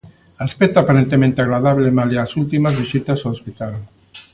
Aspecto aparentemente agradable malia as últimas visitas ao hospital.